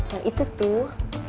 yang itu tuh